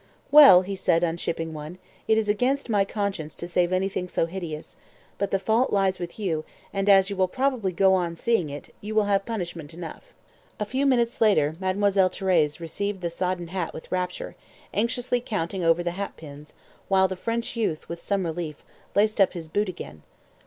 "Well," he said, unshipping one, "it is against my conscience to save anything so hideous. But the fault lies with you, and as you will probably go on seeing it, you will have punishment enough." A few minutes later Mademoiselle Thérèse received the sodden hat with rapture, anxiously counting over the hat pins, while the French youth, with some relief, laced up his boot again.